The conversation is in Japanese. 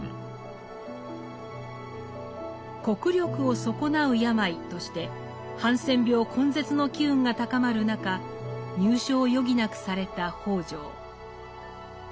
国力を損なう病としてハンセン病根絶の機運が高まる中入所を余儀なくされた北條。